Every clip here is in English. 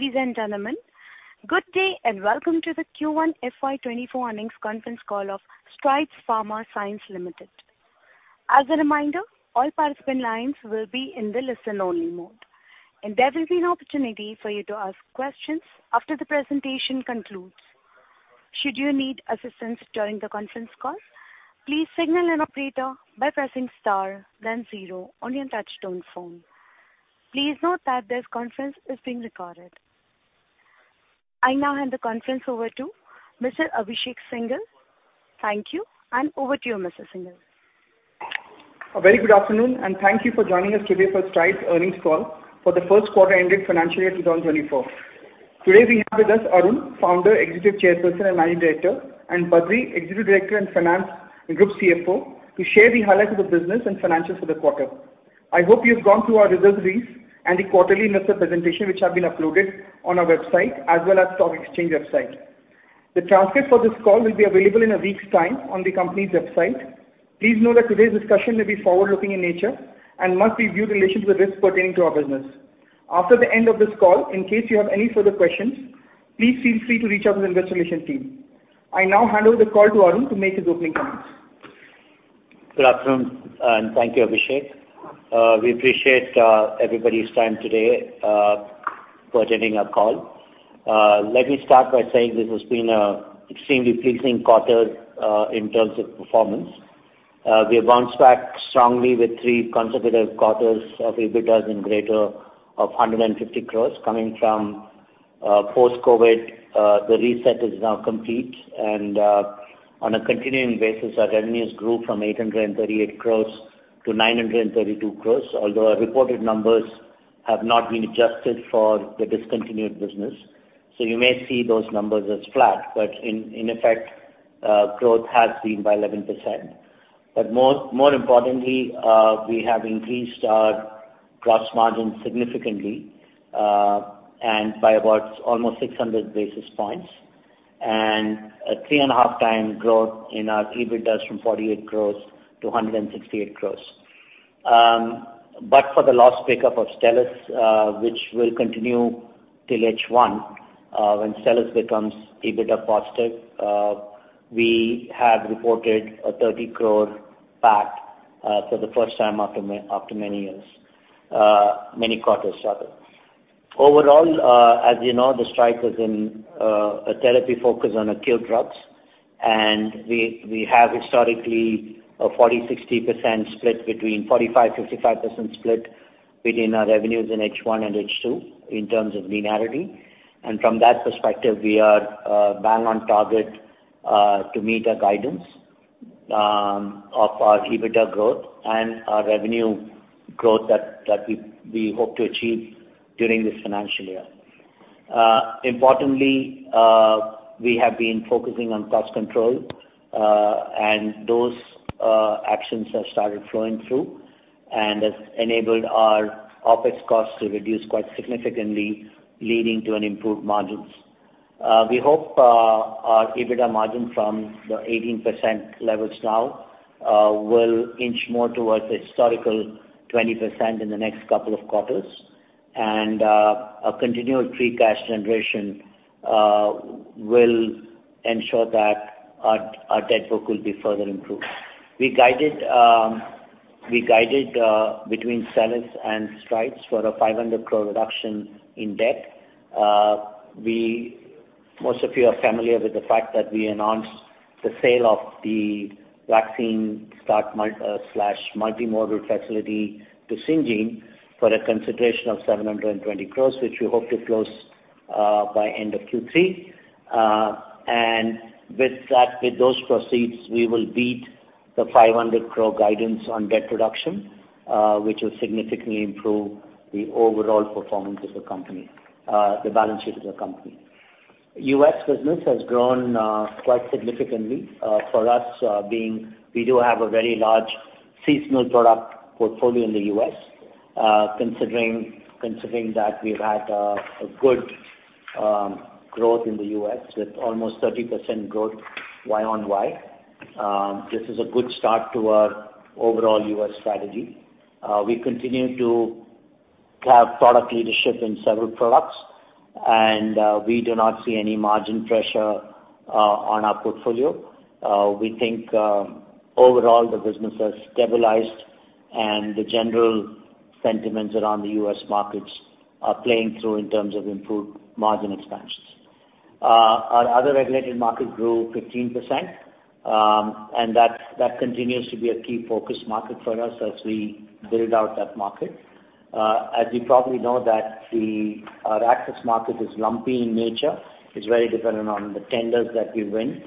Ladies and gentlemen, good day, and welcome to the Q1 FY24 earnings conference call of Strides Pharma Science Limited. As a reminder, all participant lines will be in the listen-only mode, and there will be an opportunity for you to ask questions after the presentation concludes. Should you need assistance during the conference call, please signal an operator by pressing star then 0 on your touchtone phone. Please note that this conference is being recorded. I now hand the conference over to Mr. Abhishek Singhal. Thank you, and over to you, Mr. Singhal. A very good afternoon. Thank you for joining us today for Strides earnings call for the first quarter ended financial year 2024. Today, we have with us Arun, Founder, Executive Chairperson, and Managing Director, and Badri, Executive Director and Finance and Group CFO, to share the highlights of the business and financials for the quarter. I hope you've gone through our results brief and the quarterly investor presentation, which have been uploaded on our website as well as stock exchange website. The transcript for this call will be available in a week's time on the company's website. Please note that today's discussion may be forward-looking in nature and must be viewed in relation to the risks pertaining to our business. After the end of this call, in case you have any further questions, please feel free to reach out to the Investor Relations team. I now hand over the call to Arun to make his opening comments. Good afternoon, thank you, Abhishek. We appreciate everybody's time today for attending our call. Let me start by saying this has been a extremely pleasing quarter in terms of performance. We have bounced back strongly with three consecutive quarters of EBITDAs in greater of 150 crore. Coming from post-COVID, the reset is now complete, and on a continuing basis, our revenues grew from 838 crore to 932 crore, although our reported numbers have not been adjusted for the discontinued business. You may see those numbers as flat, but in effect, growth has been by 11%. More importantly, we have increased our gross margin significantly, and by about almost 600 basis points, and a 3.5 times growth in our EBITDA from 48 crore to 168 crore. But for the last pickup of Stelis, which will continue till H1, when Stelis becomes EBITDA positive, we have reported a 30 crore PAT, for the first time after many years, many quarters, rather. Overall, as you know, Strides is in a therapy focus on acute drugs, and we have historically a 40/60% split between 45/55% split between our revenues in H1 and H2 in terms of linearity. From that perspective, we are bang on target to meet our guidance of our EBITDA growth and our revenue growth that, that we, we hope to achieve during this financial year. Importantly, we have been focusing on cost control and those actions have started flowing through and has enabled our OpEx costs to reduce quite significantly, leading to an improved margins. We hope our EBITDA margin from the 18% levels now will inch more towards the historical 20% in the next couple of quarters, and a continual free cash generation will ensure that our, our debt book will be further improved. We guided, we guided between Stelis and Strides for a 500 crore reduction in debt. We most of you are familiar with the fact that we announced the sale of the vaccine stock multimodal facility to Syngene for a consideration of 720 crore, which we hope to close by end of Q3. With that, with those proceeds, we will beat the 500 crore guidance on debt reduction, which will significantly improve the overall performance of the company, the balance sheet of the company. US business has grown quite significantly for us, being we do have a very large seasonal product portfolio in the US. Considering that we've had a good growth in the US with almost 30% growth YoY. This is a good start to our overall US strategy. We continue to have product leadership in several products, and we do not see any margin pressure on our portfolio. We think overall, the business has stabilized, and the general sentiments around the US markets are playing through in terms of improved margin expansions. Our other regulated markets grew 15%, and that, that continues to be a key focus market for us as we build out that market. As you probably know that the, our access market is lumpy in nature. It's very dependent on the tenders that we win.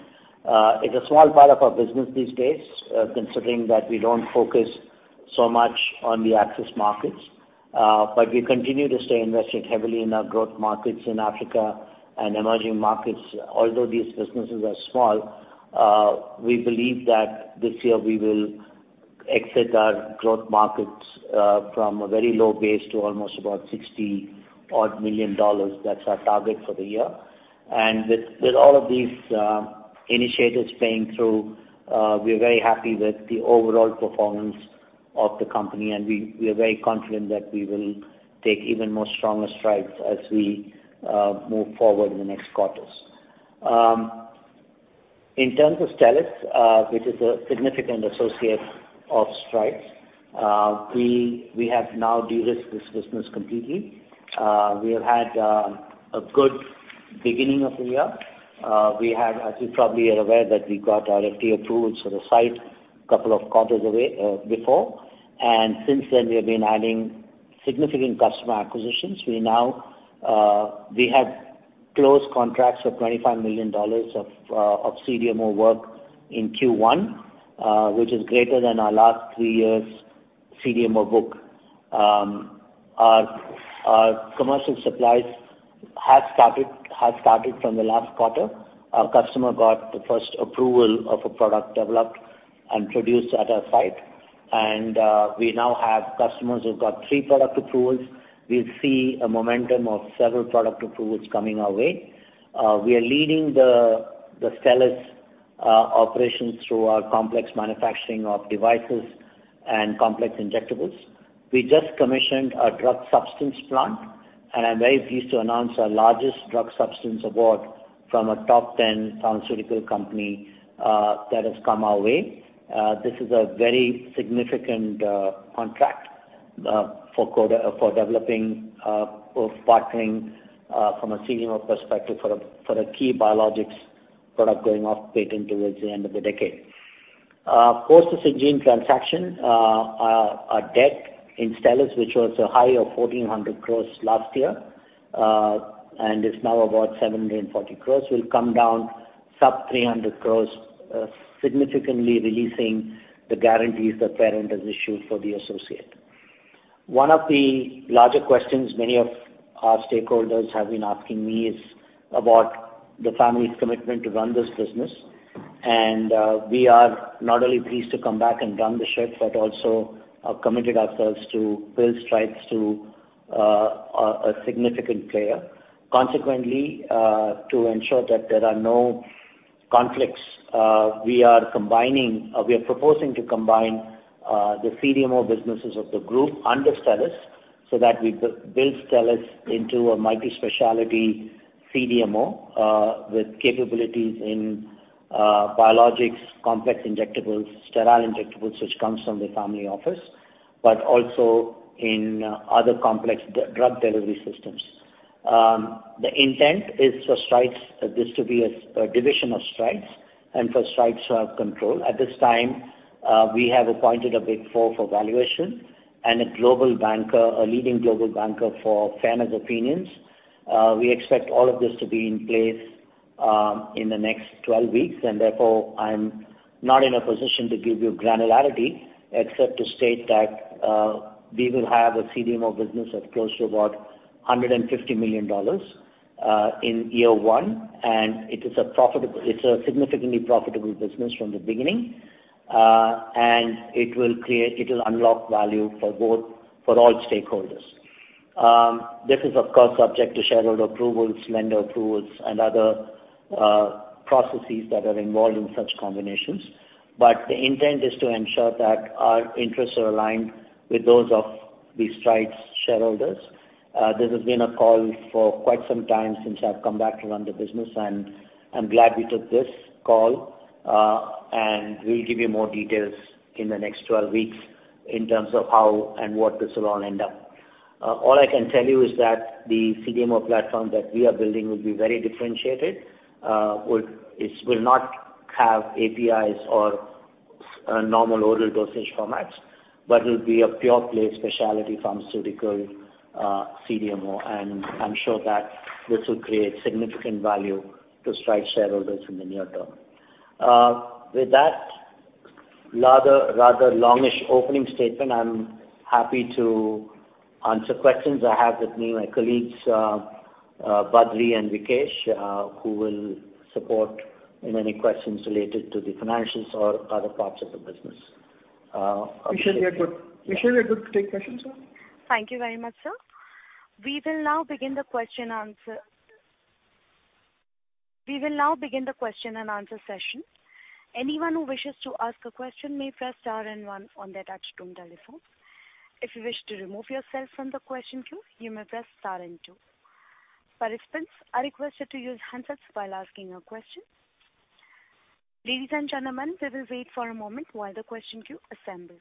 It's a small part of our business these days, considering that we don't focus so much on the access markets, but we continue to stay invested heavily in our growth markets in Africa and emerging markets. Although these businesses are small, we believe that this year we will exit our growth markets from a very low base to almost about $60 odd million. That's our target for the year. With, with all of these initiatives playing through, we're very happy with the overall performance of the company, and we, we are very confident that we will take even more stronger Strides as we move forward in the next quarters. In terms of Stelis, which is a significant associate of Strides, we, we have now de-risked this business completely. We have had a good beginning of the year. We have, as you probably are aware, that we got our FDA approval to the site a couple of quarters away, before, and since then we have been adding significant customer acquisitions. We now, we have closed contracts of $25 million of CDMO work in Q1, which is greater than our last 3 years' CDMO book. Our commercial supplies have started, have started from the last quarter. Our customer got the first approval of a product developed and produced at our site. We now have customers who've got 3 product approvals. We see a momentum of several product approvals coming our way. We are leading the Stelis operations through our complex manufacturing of devices and complex injectables. We just commissioned a drug substance plant, and I'm very pleased to announce our largest drug substance award from a top ten pharmaceutical company that has come our way. This is a very significant contract for code- for developing, for partnering, from a CDMO perspective for a key biologics product going off patent towards the end of the decade. Post the Syngene transaction, our debt in Stelis, which was a high of 1,400 crore last year, and is now about 740 crore, will come down sub 300 crore, significantly releasing the guarantees that parent has issued for the associate. One of the larger questions many of our stakeholders have been asking me is about the family's commitment to run this business. We are not only pleased to come back and run the ship, but also have committed ourselves to build Strides to a significant player. Consequently, to ensure that there are no conflicts, we are proposing to combine the CDMO businesses of the group under Stelis, so that we build Stelis into a multi-specialty CDMO, with capabilities in biologics, complex injectables, sterile injectables, which comes from the family office, but also in other complex drug delivery systems. The intent is for Strides this to be a division of Strides and for Strides to have control. At this time, we have appointed a Big Four for valuation and a global banker, a leading global banker for fairness opinions. We expect all of this to be in place, in the next 12 weeks. Therefore, I'm not in a position to give you granularity, except to state that, we will have a CDMO business of close to about $150 million, in year one, and it's a significantly profitable business from the beginning. It will unlock value for all stakeholders. This is, of course subject to shareholder approvals, lender approvals, and other processes that are involved in such combinations. The intent is to ensure that our interests are aligned with those of the Strides shareholders. This has been a call for quite some time since I've come back to run the business, and I'm glad we took this call. We'll give you more details in the next 12 weeks in terms of how and what this will all end up. All I can tell you is that the CDMO platform that we are building will be very differentiated. It will not have APIs or normal oral dosage formats, but will be a pure play specialty pharmaceutical CDMO, and I'm sure that this will create significant value to Strides shareholders in the near term. With that rather, rather longish opening statement, I'm happy to answer questions. I have with me my colleagues, Badri and Vikesh, who will support in any questions related to the financials or other parts of the business. We should be good to take questions, sir. Thank you very much, sir. We will now begin the question and answer session. Anyone who wishes to ask a question may press star and 1 on their touch-tone telephone. If you wish to remove yourself from the question queue, you may press star and 2. Participants are requested to use handsets while asking a question. Ladies and gentlemen, we will wait for a moment while the question queue assembles.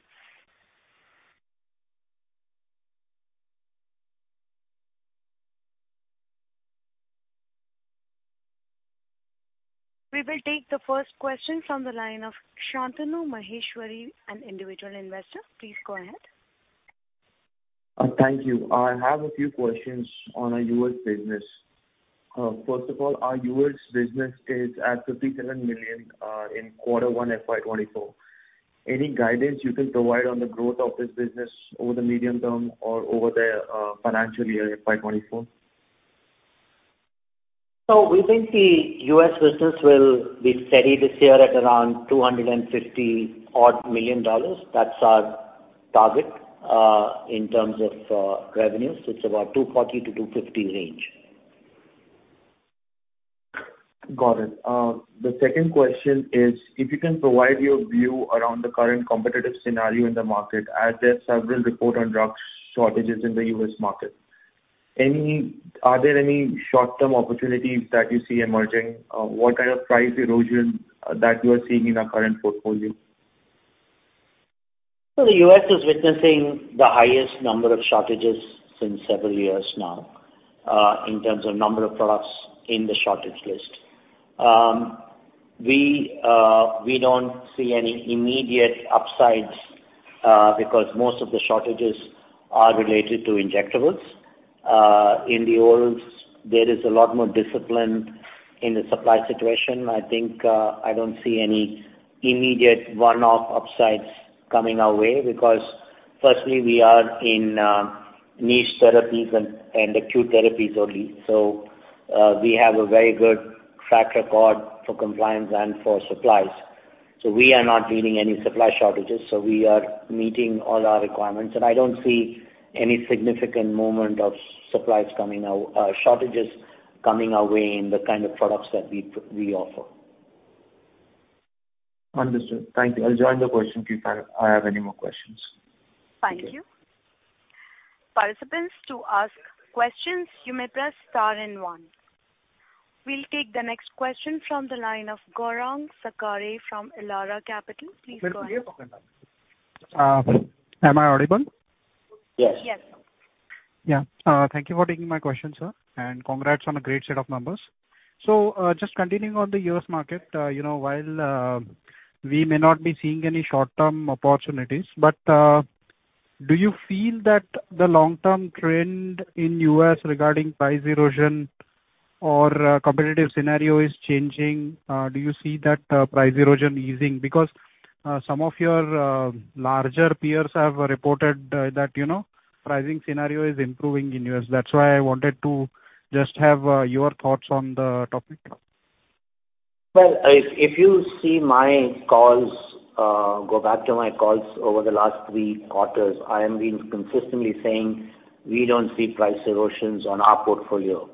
We will take the first question from the line of Shantanu Maheshwari, an individual investor. Please go ahead. Thank you. I have a few questions on our US business. First of all, our US business is at $57 million in Q1 FY24. Any guidance you can provide on the growth of this business over the medium term or over the financial year, FY24? We think the US business will be steady this year at around $250 odd million. That's our target in terms of revenues. It's about $240-$250 range. Got it. The second question is, if you can provide your view around the current competitive scenario in the market, as there are several reports on drug shortages in the US market. Are there any short-term opportunities that you see emerging? What kind of price erosion that you are seeing in our current portfolio? The US is witnessing the highest number of shortages since several years now, in terms of number of products in the shortage list. We don't see any immediate upsides, because most of the shortages are related to injectables. In the orals, there is a lot more discipline in the supply situation. I think, I don't see any immediate one-off upsides coming our way, because firstly, we are in niche therapies and acute therapies only. We have a very good track record for compliance and for supplies. We are not meeting any supply shortages, so we are meeting all our requirements, and I don't see any significant moment of supplies coming out, shortages coming our way in the kind of products that we offer. Understood. Thank you. I'll join the question if I, I have any more questions. Thank you. Participants, to ask questions, you may press star and one. We'll take the next question from the line of Gaurang Sakare from Elara Capital. Please go ahead. Am I audible? Yes. Yes. Yeah. Thank you for taking my question, sir, and congrats on a great set of numbers. Just continuing on the U.S. market, you know, while we may not be seeing any short-term opportunities, but do you feel that the long-term trend in U.S. regarding price erosion or competitive scenario is changing? Do you see that price erosion easing? Because some of your larger peers have reported that, you know, pricing scenario is improving in U.S. That's why I wanted to just have your thoughts on the topic. Well, if, if you see my calls, go back to my calls over the last three quarters, I have been consistently saying we don't see price erosions on our portfolio.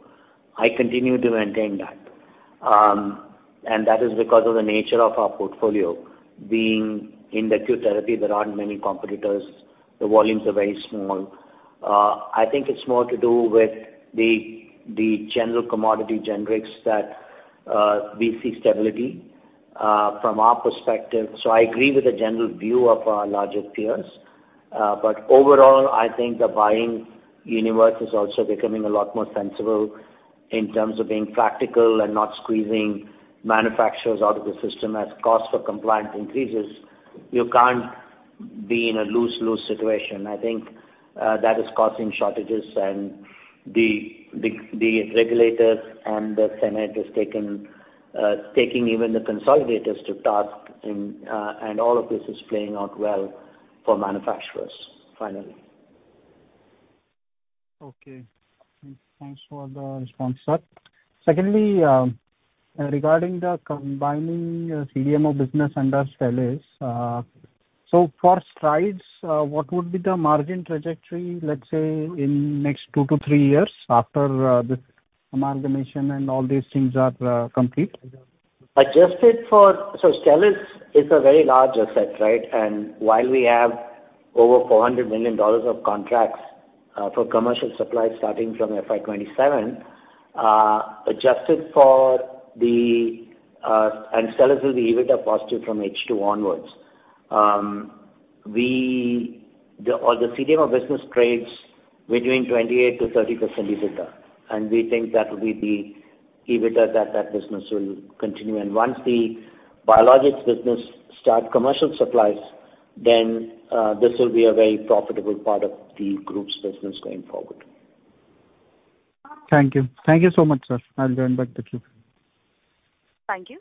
I continue to maintain that. That is because of the nature of our portfolio. Being in the acute therapy, there aren't many competitors. The volumes are very small. I think it's more to do with the, the general commodity generics that we see stability from our perspective. I agree with the general view of our larger peers. Overall, I think the buying universe is also becoming a lot more sensible in terms of being practical and not squeezing manufacturers out of the system. As cost for compliance increases, you can't be in a lose-lose situation. I think, that is causing shortages and the, the, the regulators and the Senate is taking, taking even the consolidators to task, and, and all of this is playing out well for manufacturers, finally. Okay. Thanks for the response, sir. Secondly, regarding the combining, CDMO business and Stelis, for Strides, what would be the margin trajectory, let's say, in next two to three years after, this amalgamation and all these things are complete? Stelis is a very large asset, right? While we have over $400 million of contracts, for commercial supply starting from FY27, adjusted for the... Stelis will be EBITDA positive from H2 onwards. Or the CDMO business trades between 28%-30% EBITDA, and we think that will be the EBITDA that that business will continue. Once the biologics business start commercial supplies, then, this will be a very profitable part of the group's business going forward. Thank you. Thank you so much, sir. I'll join back the queue. Thank you.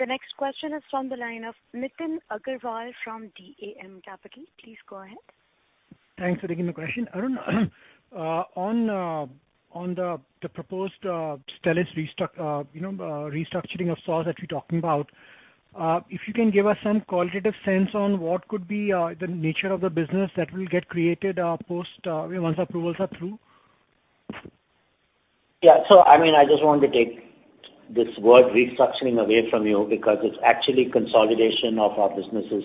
The next question is from the line of Nitin Agarwal from DAM Capital. Please go ahead. Thanks for taking the question. Arun, on, on the, the proposed Stelis you know, restructuring of sorts that you're talking about, if you can give us some qualitative sense on what could be the nature of the business that will get created, post, once approvals are through? Yeah. I just want to take this word restructuring away from you, because it's actually consolidation of our businesses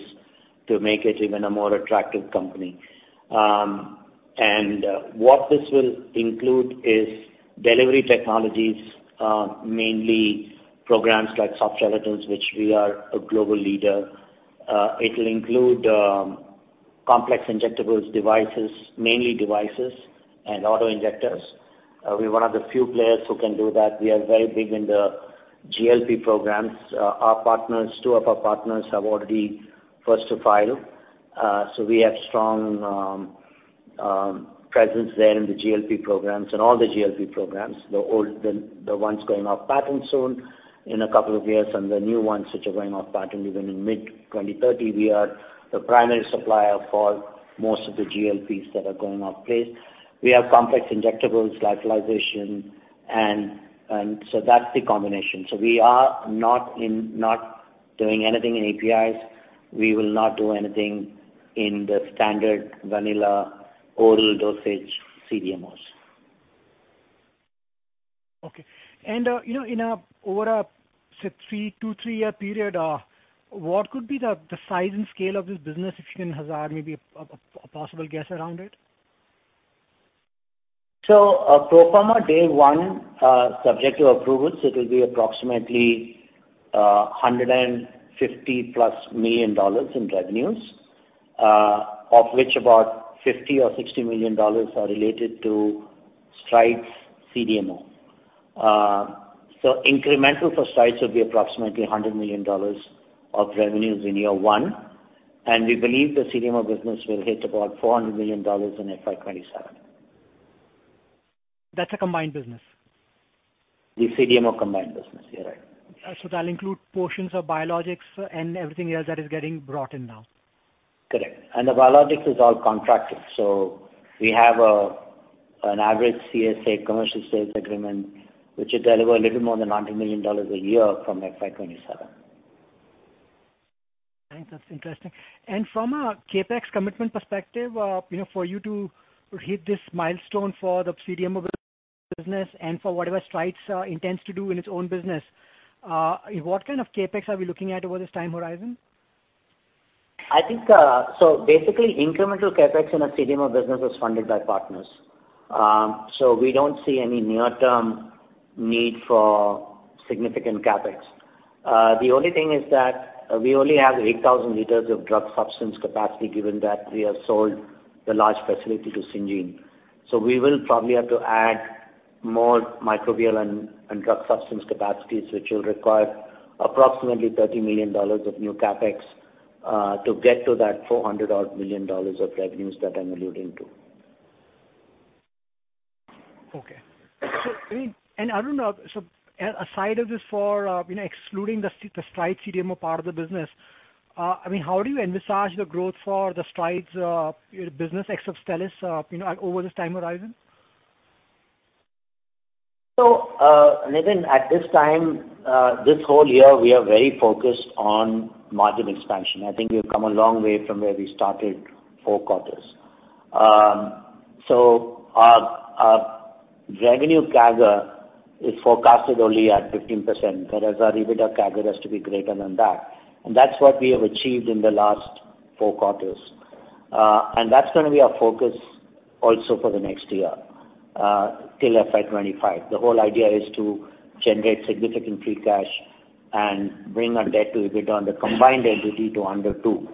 to make it even a more attractive company. What this will include is delivery technologies, mainly programs like soft gelatin, which we are a global leader. It'll include complex injectables, devices, mainly devices and auto-injectors. We're one of the few players who can do that. We are very big in the GLP-1 programs. Our partners, two of our partners have already first to file. We have strong presence there in the GLP-1 programs and all the GLP-1 programs, the old, the, the ones going off patent soon in a couple of years, and the new ones, which are going off patent even in mid-2030. We are the primary supplier for most of the GLP-1s that are going off patent. We have complex injectables, lyophilization, and so that's the combination. So we are not in, doing anything in APIs. We will not do anything in the standard vanilla oral dosage CDMOs. Okay. You know, in a, over a, say, 3, 2, 3-year period, what could be the size and scale of this business, if you can hazard maybe a possible guess around it? Pro forma day one, subject to approvals, it will be approximately $150+ million in revenues, of which about $50 million-$60 million are related to Strides CDMO. Incremental for Strides will be approximately $100 million of revenues in year one, and we believe the CDMO business will hit about $400 million in FY27. That's a combined business? The CDMO combined business. You're right. That'll include portions of biologics and everything else that is getting brought in now? Correct. The biologics is all contracted, so we have an average CSA, Commercial Sales Agreement, which should deliver a little more than $90 million a year from FY27. I think that's interesting. And from a CapEx commitment perspective, you know, for you to hit this milestone for the CDMO business and for whatever Strides intends to do in its own business, what kind of CapEx are we looking at over this time horizon? I think, so basically incremental CapEx in a CDMO business is funded by partners. We don't see any near-term need for significant CapEx. The only thing is that we only have 8,000 liters of drug substance capacity, given that we have sold the large facility to Syngene. We will probably have to add more microbial and drug substance capacities, which will require approximately $30 million of new CapEx, to get to that $400 odd million of revenues that I'm alluding to. Okay. I mean, Arun, aside of this for, you know, excluding the Strides CDMO part of the business, I mean, how do you envisage the growth for the Strides business ex of Stelis, you know, over this time horizon? Nitin, at this time, this whole year, we are very focused on margin expansion. I think we've come a long way from where we started 4 quarters. Our, our revenue CAGR is forecasted only at 15%, whereas our EBITDA CAGR has to be greater than that. That's what we have achieved in the last 4 quarters. That's gonna be our focus also for the next year, till FY25. The whole idea is to generate significant free cash and bring our debt to EBITDA, on the combined entity, to under 2.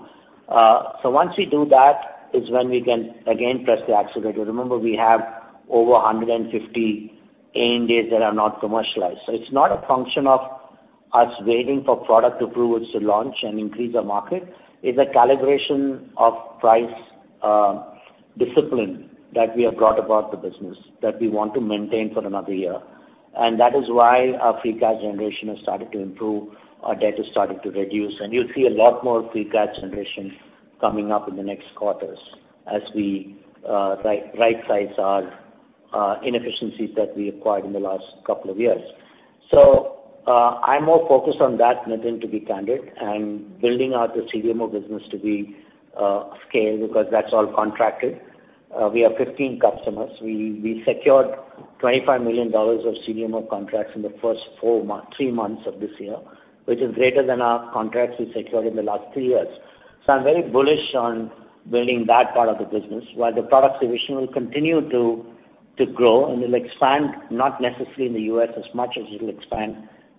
Once we do that, is when we can again press the accelerator. Remember, we have over 150 ANDAs that are not commercialized. It's not a function of us waiting for product approvals to launch and increase our market. It's a calibration of price discipline that we have brought about the business, that we want to maintain for another year. That is why our free cash generation has started to improve, our debt is starting to reduce, and you'll see a lot more free cash generation coming up in the next quarters as we rightsize our inefficiencies that we acquired in the last couple of years. I'm more focused on that, Nitin, to be candid, and building out the CDMO business to be scale, because that's all contracted. We have 15 customers. We secured $25 million of CDMO contracts in the first four months, three months of this year, which is greater than our contracts we secured in the last 3 years. I'm very bullish on building that part of the business, while the products division will continue to grow and will expand, not necessarily in the US as much as it will expand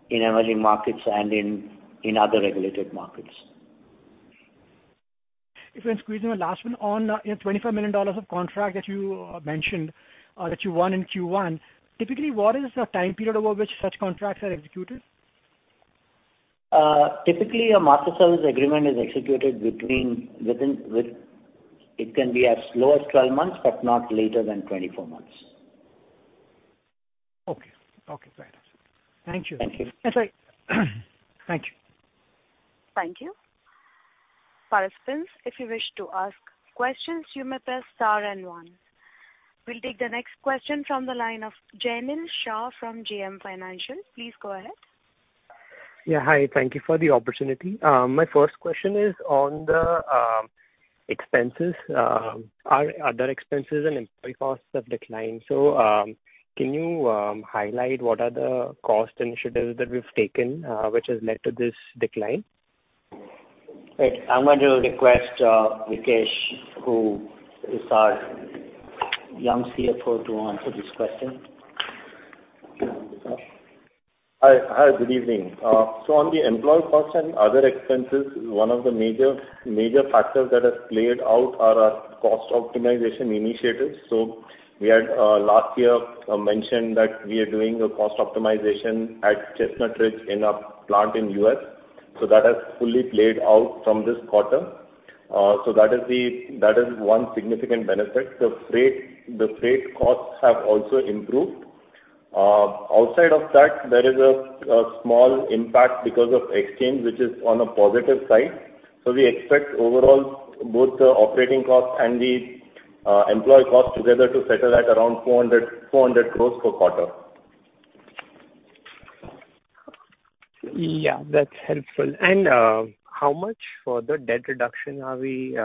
in emerging markets and in, in other regulated markets. If I can squeeze in a last one. On, you know, $25 million of contract that you mentioned that you won in Q1, typically, what is the time period over which such contracts are executed? Typically, a Master Service Agreement is executed between, within, with. It can be as low as 12 months, but not later than 24 months. Okay. Okay, got it. Thank you. Thank you. Yes, sorry. Thank you. Thank you. Participants, if you wish to ask questions, you may press star and one. We'll take the next question from the line of Jainil Shah from JM Financial. Please go ahead. Yeah, hi. Thank you for the opportunity. My first question is on the expenses. Our other expenses and employee costs have declined. Can you highlight what are the cost initiatives that we've taken, which has led to this decline? Right. I'm going to request, Vikesh, who is our young CFO, to answer this question. Hi, hi, good evening. On the employee costs and other expenses, one of the major, major factors that has played out are our cost optimization initiatives. We had last year mentioned that we are doing a cost optimization at Chestnut Ridge in a plant in U.S., that has fully played out from this quarter. That is the, that is one significant benefit. The freight, the freight costs have also improved. Outside of that, there is a, a small impact because of exchange, which is on a positive side. We expect overall both the operating costs and the employee costs together to settle at around 400 crore per quarter. Yeah, that's helpful. How much for the debt reduction are we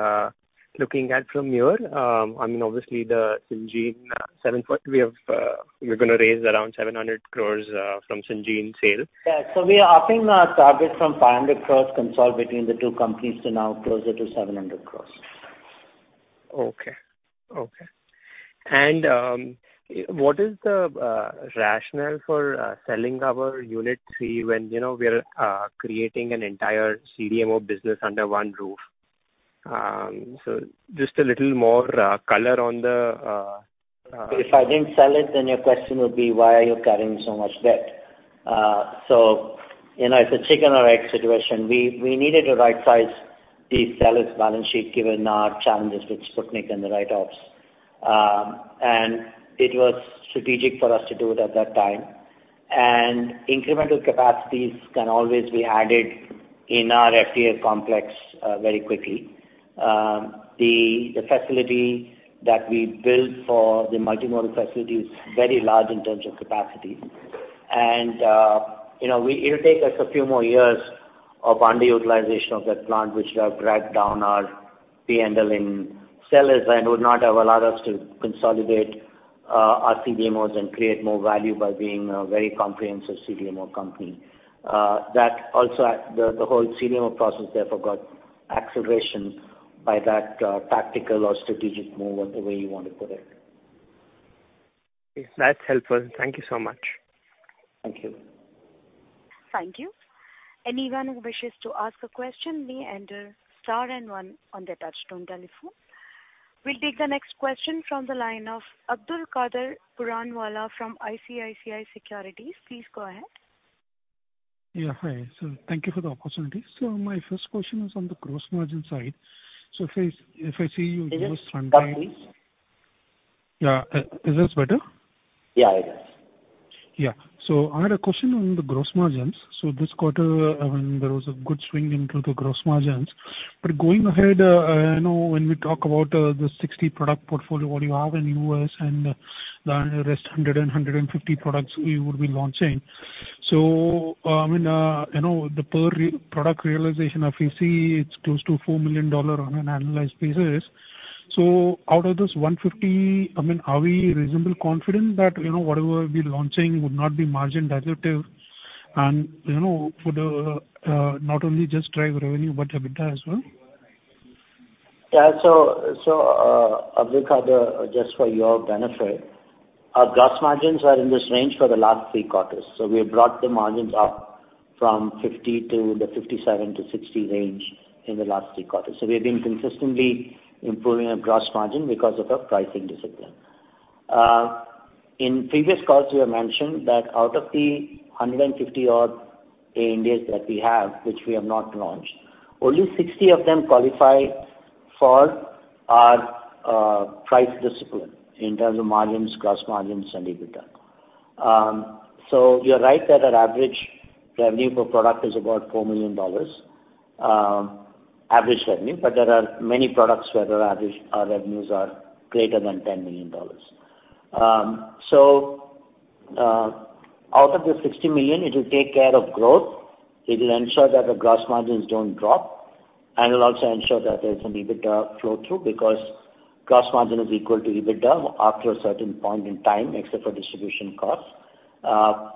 looking at from here? I mean, obviously, the Syngene seven point we have, we're gonna raise around 700 crore from Syngene sale. Yeah. We are upping our target from 500 crore consolid between the two companies to now closer to 700 crore. Okay. Okay. What is the rationale for selling our unit three when, you know, we are creating an entire CDMO business under one roof? Just a little more color on the. If I didn't sell it, then your question would be, why are you carrying so much debt? You know, it's a chicken or egg situation. We, we needed to right-size the Stelis balance sheet, given our challenges with Sputnik and the write-offs. It was strategic for us to do it at that time. Incremental capacities can always be added in our FTA complex very quickly. The, the facility that we built for the multimodal facility is very large in terms of capacity. You know, we it'll take us a few more years of underutilization of that plant, which will have dragged down our PNL in Stelis and would not have allowed us to consolidate our CDMOs and create more value by being a very comprehensive CDMO company. That also at the, the whole CDMO process, therefore, got acceleration by that, tactical or strategic move, or the way you want to put it. That's helpful. Thank you so much. Thank you. Thank you. Anyone who wishes to ask a question may enter star and 1 on their touchtone telephone. We'll take the next question from the line of Abdulkadar Puranwala from ICICI Securities. Please go ahead. Yeah, hi. Thank you for the opportunity. My first question is on the gross margin side. If I, if I see you use sometime. Yes, please. Yeah, is this better? Yeah, it is. Yeah. I had a question on the gross margins. This quarter, I mean, there was a good swing into the gross margins. Going ahead, you know, when we talk about the 60 product portfolio, what you have in U.S. and the rest 150 products you would be launching. I mean, you know, the per re- product realization, if you see, it's close to $4 million on an annualized basis. Out of this 150, I mean, are we reasonably confident that, you know, whatever we're launching would not be margin dilutive? You know, would not only just drive revenue, but EBITDA as well? Yeah. So, Abdulkader, just for your benefit, our gross margins are in this range for the last 3 quarters. We have brought the margins up from 50 to the 57 to 60 range in the last 3 quarters. We have been consistently improving our gross margin because of our pricing discipline. In previous calls, we have mentioned that out of the 150 odd ANDAs that we have, which we have not launched, only 60 of them qualify for our price discipline in terms of margins, gross margins, and EBITDA. You're right that our average revenue per product is about $4 million, average revenue, but there are many products where the average revenues are greater than $10 million. Out of the $60 million, it will take care of growth. It will ensure that the gross margins don't drop, and it'll also ensure that there's an EBITDA flow-through, because gross margin is equal to EBITDA after a certain point in time, except for distribution costs.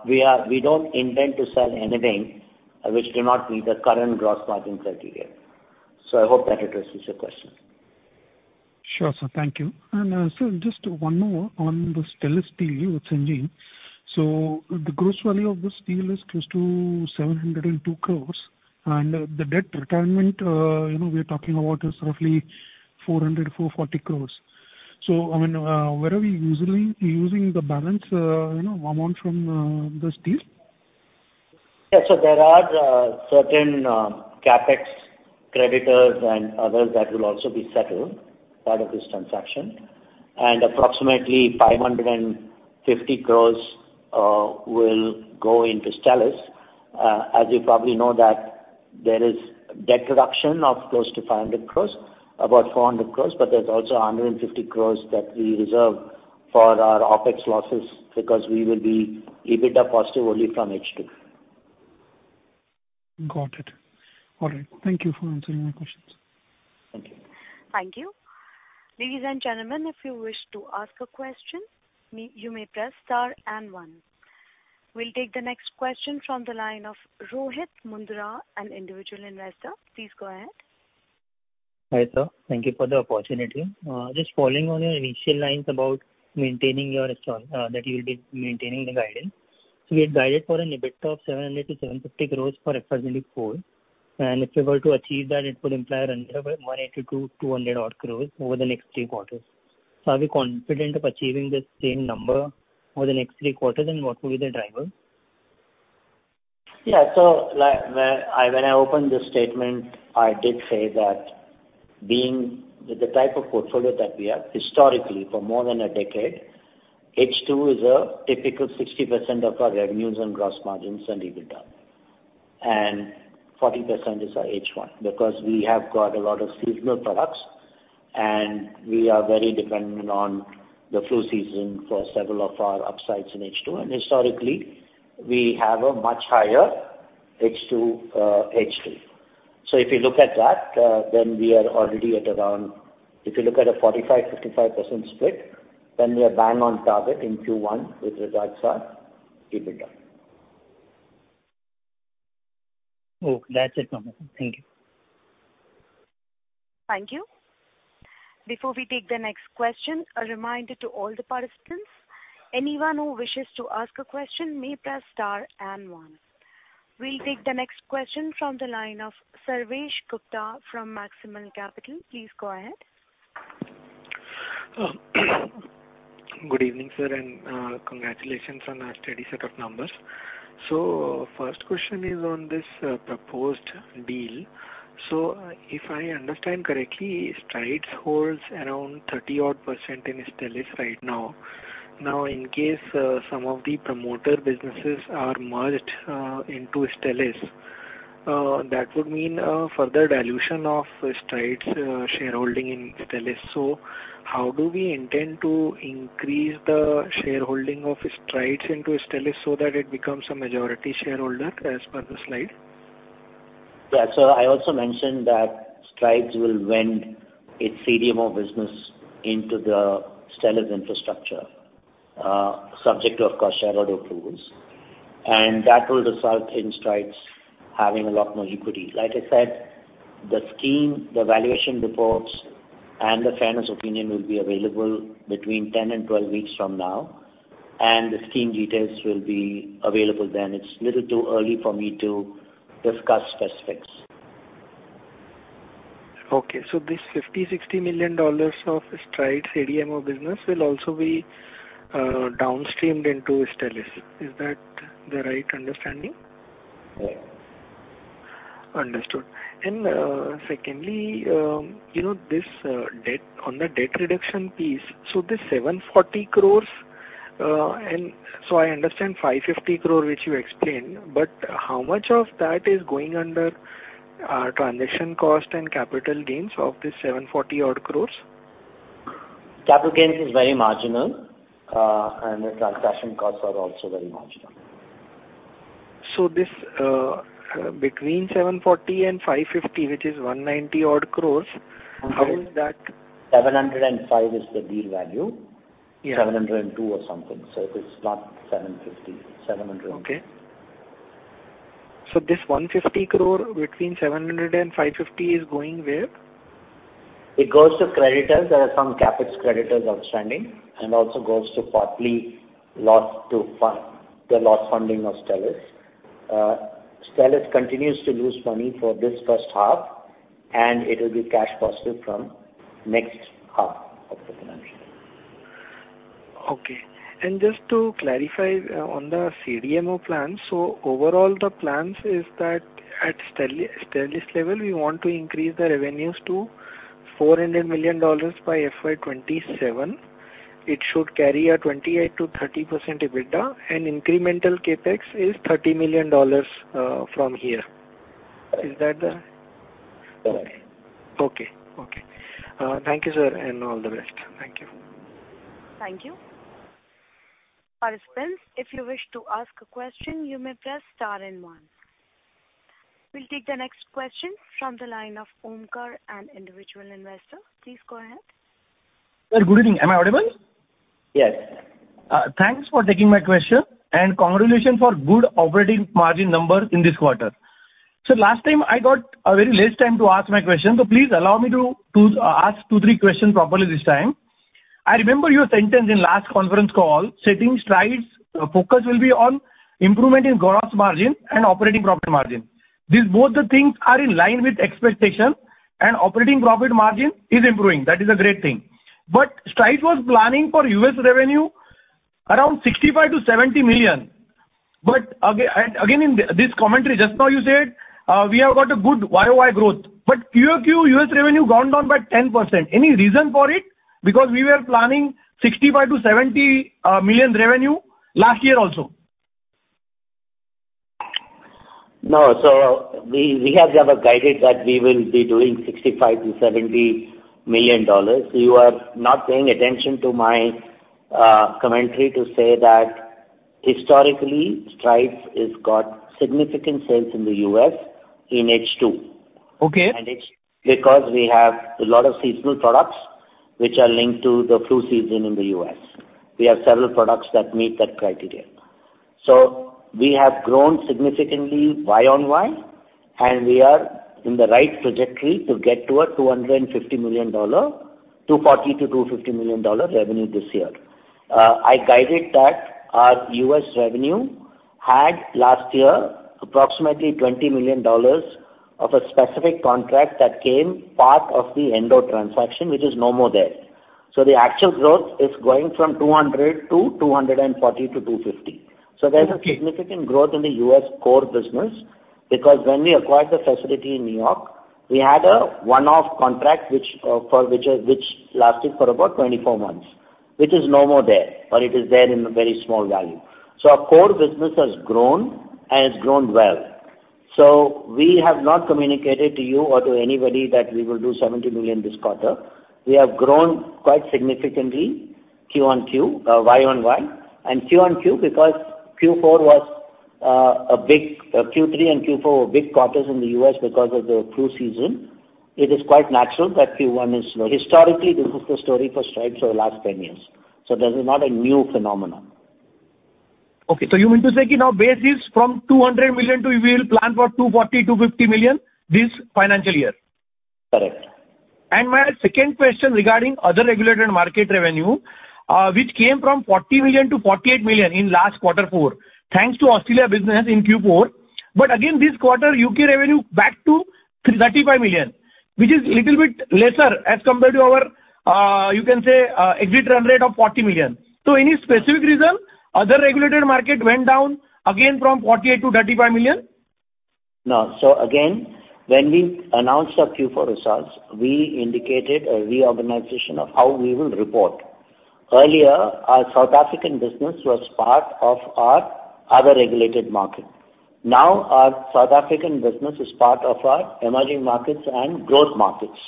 We don't intend to sell anything which do not meet the current gross margin criteria. I hope that addresses your question. Sure, sir. Thank you. Just one more on the Stelis deal with Syngene. The gross value of this deal is close to 702 crore, and the debt retirement, you know, we are talking about is roughly 440 crore. I mean, where are we using, using the balance, you know, amount from this deal? Yeah. There are, certain, CapEx creditors and others that will also be settled, part of this transaction. Approximately 550 crore will go into Stelis. As you probably know, that there is debt reduction of close to 500 crore, about 400 crore, but there's also 150 crore that we reserve for our OpEx losses, because we will be EBITDA positive only from H2. Got it. All right. Thank you for answering my questions. Thank you. Thank you. Ladies and gentlemen, if you wish to ask a question, you may press star and one. We'll take the next question from the line of Rohit Mundra, an individual investor. Please go ahead. Hi, sir. Thank you for the opportunity. Just following on your initial lines about maintaining your strong, that you'll be maintaining the guidance. We had guided for an EBITDA of 700-750 crores for FY24, and if you were to achieve that, it would imply a revenue of 180-200 odd crores over the next 3 quarters. Are we confident of achieving the same number over the next 3 quarters, and what will be the driver? Yeah. Like when I, when I opened the statement, I did say that being with the type of portfolio that we have historically for more than a decade, H2 is a typical 60% of our revenues and gross margins and EBITDA. 40% is our H1, because we have got a lot of seasonal products, and we are very dependent on the flu season for several of our upsides in H2, and historically, we have a much higher H2, H3. If you look at that, then we are already at around if you look at a 45%, 55% split, then we are bang on target in Q1, with regards our EBITDA. Okay, that's it, thank you. Thank you. Before we take the next question, a reminder to all the participants, anyone who wishes to ask a question, may press star and one. We'll take the next question from the line of Sarvesh Gupta from Maximal Capital. Please go ahead. Good evening, sir, congratulations on a steady set of numbers. First question is on this proposed deal. If I understand correctly, Strides holds around 30 odd percent in Stelis right now. In case some of the promoter businesses are merged into Stelis, that would mean a further dilution of Strides shareholding in Stelis. How do we intend to increase the shareholding of Strides into Stelis so that it becomes a majority shareholder as per the slide? Yeah. I also mentioned that Strides will vend its CDMO business into the Stelis infrastructure, subject to, of course, shareholder approvals, and that will result in Strides having a lot more equity. Like I said, the scheme, the valuation reports, and the fairness opinion will be available between 10 and 12 weeks from now, and the scheme details will be available then. It's a little too early for me to discuss specifics. Okay. This $50 million-$60 million of Strides CDMO business will also be, downstreamed into Steriscience. Is that the right understanding? Yes. Understood. Secondly, you know, this debt-- on the debt reduction piece, so this 740 crore, and so I understand 550 crore, which you explained, but how much of that is going under transaction cost and capital gains of this 740 odd crore? Capital gains is very marginal, and the transaction costs are also very marginal. This, between 740 and 550, which is 190 odd crores, how is that- 705 is the deal value. Yeah. 702 or something. It is not 750, it's 700 and- Okay. This INR 150 crore between 700 crore and 550 crore is going where? It goes to creditors. There are some CapEx creditors outstanding, and also goes to partly loss to fund, the loss funding of Steriscience. Steriscience continues to lose money for this first half, and it will be cash positive from next half of the financial year. Okay. Just to clarify, on the CDMO plan: overall, the plans is that at Stelis level, we want to increase the revenues to $400 million by FY27. It should carry a 28%-30% EBITDA, and incremental CapEx is $30 million from here. Is that the? Yes. Okay. Okay. Thank you, sir, and all the best. Thank you. Thank you. Participants, if you wish to ask a question, you may press star and one. We'll take the next question from the line of Omkar, an individual investor. Please go ahead. Well, good evening. Am I audible? Yes. Thanks for taking my question, congratulations for good operating margin numbers in this quarter. Last time, I got a very less time to ask my question, so please allow me to, to ask 2, 3 questions properly this time. I remember your sentence in last conference call, saying Strides' focus will be on improvement in gross margin and operating profit margin. These both the things are in line with expectation, operating profit margin is improving. That is a great thing. Strides was planning for US revenue around $65 million-$70 million. Again, in this commentary just now, you said, we have got a good YoY growth. QoQ, US revenue gone down by 10%. Any reason for it? We were planning $65 million-$70 million revenue last year also. No, we, we have never guided that we will be doing $65 million-$70 million. You are not paying attention to my commentary to say that historically, Strides has got significant sales in the US in H2. Okay. It's because we have a lot of seasonal products which are linked to the flu season in the U.S. We have several products that meet that criteria. We have grown significantly YoY, and we are in the right trajectory to get to a $250 million, $240 million-$250 million revenue this year. I guided that our U.S. revenue had, last year, approximately $20 million of a specific contract that came part of the Endo transaction, which is no more there. The actual growth is going from $200 million to $240 million-$250 million. Okay. There's a significant growth in the US core business, because when we acquired the facility in New York, we had a one-off contract, which, for which, which lasted for about 24 months. Which is no more there, or it is there in a very small value. Our core business has grown and it's grown well. We have not communicated to you or to anybody that we will do $70 million this quarter. We have grown quite significantly QoQ, YoY, and QoQ, because Q4 was a big-- Q3 and Q4 were big quarters in the US because of the flu season. It is quite natural that Q1 is low. Historically, this is the story for Strides over the last 10 years, so this is not a new phenomenon. Okay. you mean to say now base is from $200 million to we will plan for $240 million-$250 million this financial year? Correct. My second question regarding other regulated market revenue, which came from $40 million to $48 million in last Q4, thanks to Australia business in Q4. This quarter, UK revenue back to $35 million, which is little bit lesser as compared to our, you can say, exit run rate of $40 million. Any specific reason other regulated market went down again from $48 million to $35 million? No. Again, when we announced our Q4 results, we indicated a reorganization of how we will report. Earlier, our South African business was part of our other regulated market. Now, our South African business is part of our emerging markets and growth markets.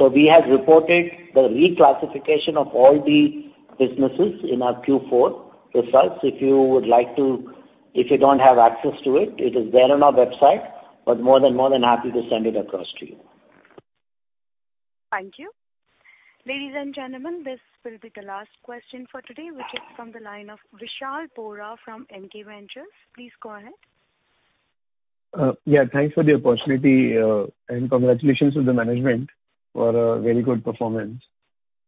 We have reported the reclassification of all the businesses in our Q4 results. If you would like to -- if you don't have access to it, it is there on our website, but more than, more than happy to send it across to you. Thank you. Ladies and gentlemen, this will be the last question for today, which is from the line of Vishal Bora from NK Ventures. Please go ahead. Yeah, thanks for the opportunity, and congratulations to the management for a very good performance.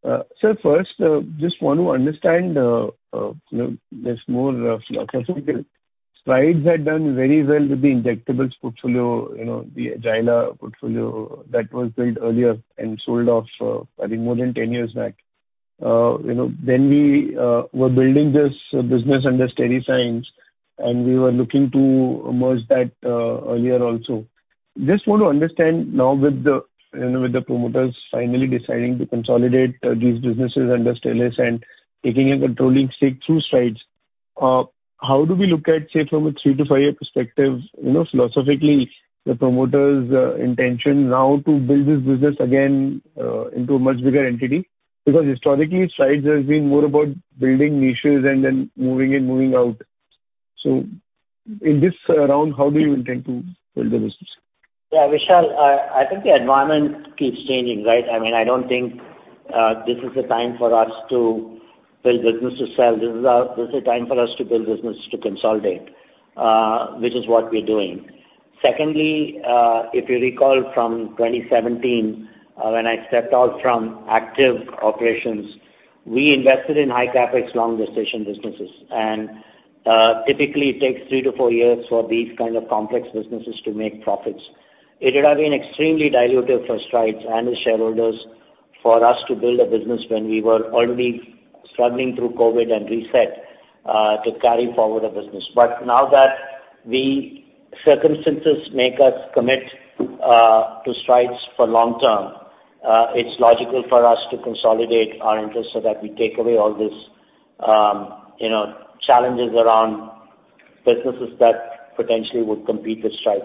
So first, just want to understand, you know, this more philosophically. Strides had done very well with the injectables portfolio, you know, the Agila portfolio that was built earlier and sold off, I think more than 10 years back. You know, then we were building this business under Steriscience, and we were looking to merge that earlier also. Just want to understand now with the, you know, with the promoters finally deciding to consolidate these businesses under Stelis and taking a controlling stake through Strides, how do we look at, say, from a 3 to 5 year perspective, you know, philosophically, the promoters' intention now to build this business again, into a much bigger entity? Historically, Strides has more about building niches and then moving and moving out. In this round, how do you intend to build the business? Yeah, Vishal, I think the environment keeps changing, right? I mean, I don't think, this is the time for us to build business to sell. This is a time for us to build business to consolidate, which is what we're doing. Secondly, if you recall from 2017, when I stepped out from active operations, we invested in high CapEx, long duration businesses, and, typically it takes three to four years for these kind of complex businesses to make profits. It would have been extremely dilutive for Strides and the shareholders for us to build a business when we were already struggling through COVID and reset, to carry forward a business. Now that the circumstances make us commit to Strides for long term, it's logical for us to consolidate our interests so that we take away all these, you know, challenges around businesses that potentially would compete with Strides.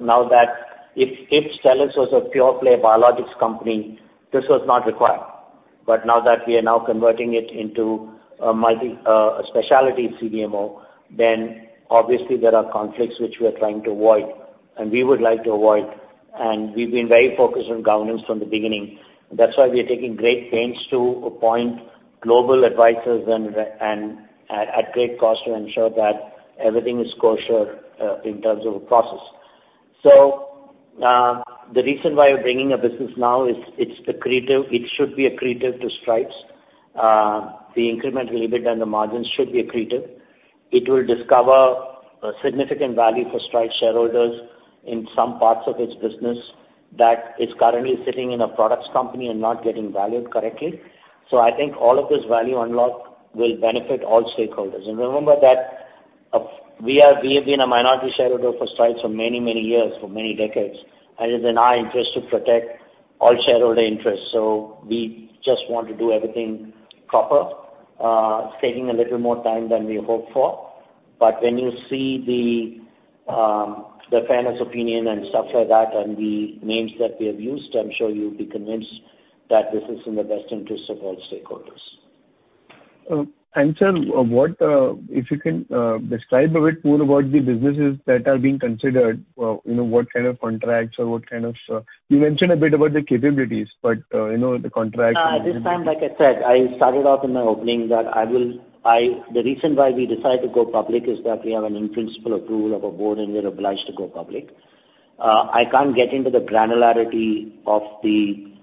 Now that if, if Stelis was a pure play biologics company, this was not required. Now that we are now converting it into a multi, a specialty CDMO, then obviously there are conflicts which we are trying to avoid and we would like to avoid, and we've been very focused on governance from the beginning. That's why we are taking great pains to appoint global advisors and at great cost to ensure that everything is kosher, in terms of a process. The reason why you're bringing a business now is it's accretive, it should be accretive to Strides. The incremental EBITDA and the margins should be accretive. It will discover a significant value for Strides shareholders in some parts of its business that is currently sitting in a products company and not getting valued correctly. I think all of this value unlock will benefit all stakeholders. Remember that, we have been a minority shareholder for Strides for many, many years, for many decades, and it's in our interest to protect all shareholder interests. We just want to do everything proper. It's taking a little more time than we hoped for, but when you see the, the fairness opinion and stuff like that, and the names that we have used, I'm sure you'll be convinced that this is in the best interests of all stakeholders. sir, what, if you can, describe a bit more about the businesses that are being considered, you know, what kind of contracts or what kind of... You mentioned a bit about the capabilities, but, you know, the contracts. At this time, like I said, I started off in my opening that I, the reason why we decided to go public is that we have an in-principle approval of our board, and we're obliged to go public. I can't get into the granularity of the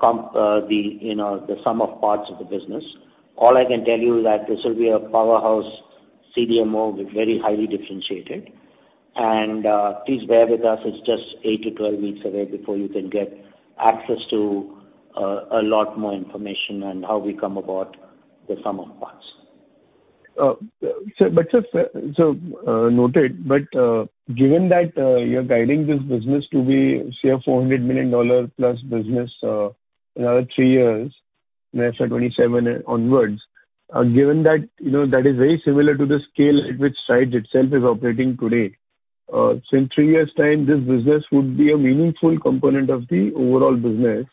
comp, the, you know, the sum of parts of the business. All I can tell you is that this will be a powerhouse CDMO, with very highly differentiated. Please bear with us, it's just 8-12 weeks away before you can get access to a lot more information on how we come about the sum of parts. Sir, noted, but given that you're guiding this business to be, say, a $400 million plus business in another three years, let's say 2027 onwards, given that, you know, that is very similar to the scale at which Strides itself is operating today, in three years' time, this business would be a meaningful component of the overall business.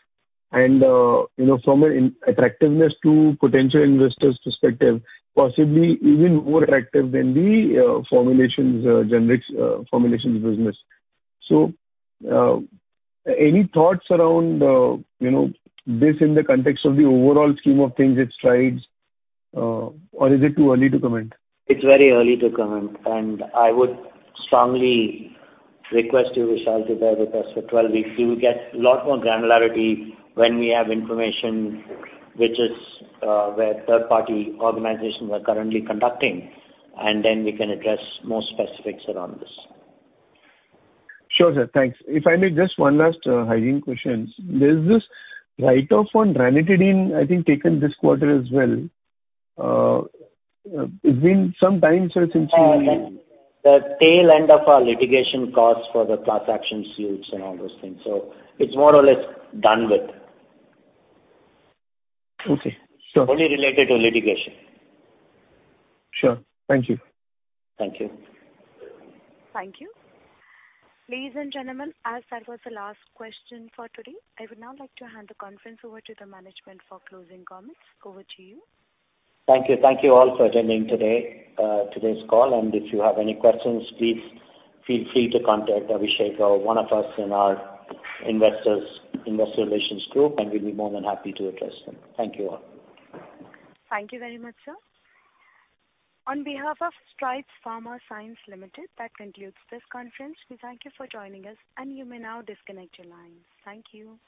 And, you know, from an attractiveness to potential investors' perspective, possibly even more attractive than the formulations generics formulations business. Any thoughts around, you know, this in the context of the overall scheme of things at Strides, or is it too early to comment? It's very early to comment, and I would strongly request you, Vishal, to bear with us for 12 weeks. You will get a lot more granularity when we have information which is, where third-party organizations are currently conducting, and then we can address more specifics around this. Sure, sir. Thanks. If I may, just one last, hygiene question. There's this write-off on ranitidine, I think, taken this quarter as well. It's been some time since you The, the tail end of our litigation costs for the transaction suits and all those things, so it's more or less done with. Okay. Only related to litigation. Sure. Thank you. Thank you. Thank you. Ladies and gentlemen, as that was the last question for today, I would now like to hand the conference over to the management for closing comments. Over to you. Thank you. Thank you all for attending today, today's call, and if you have any questions, please feel free to contact Abhishek or one of us in our investors, investor relations group, and we'll be more than happy to address them. Thank you all. Thank you very much, sir. On behalf of Strides Pharma Science Limited, that concludes this conference. We thank you for joining us, and you may now disconnect your lines. Thank you.